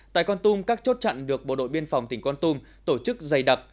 tại con tum các chốt chặn được bộ đội biên phòng tỉnh con tum tổ chức dày đặc